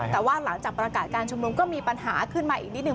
แต่ว่าหลังจากประกาศการชุมนุมก็มีปัญหาขึ้นมาอีกนิดนึ